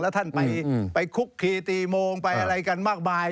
แล้วท่านไปคุกคีตีโมงไปอะไรกันมากมาย